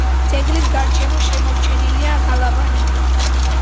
ძეგლის გარშემო შემორჩენილია გალავანი.